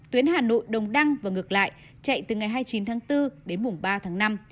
tuyến hà nội đồng đăng và ngược lại chạy từ ngày hai mươi chín tháng bốn đến mùng ba tháng năm